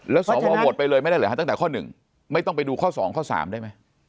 แล้วสอบวอร์โหวดไปเลยไม่ได้เหรอฮะตั้งแต่ข้อหนึ่งไม่ต้องไปดูข้อสองข้อสามได้ไหม